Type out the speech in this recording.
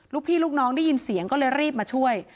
ลูกพี่ลูกน้องได้ยินเสียงก็เลยรีบมาช่วย